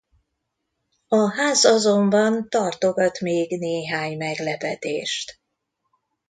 A ház azonban tartogat még néhány meglepetést...